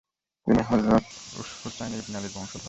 তিনি হযরত হুসাইন ইবনে আলির বংশধর।